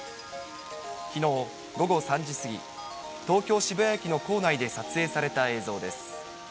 きのう午後３時過ぎ、東京・渋谷駅の構内で撮影された映像です。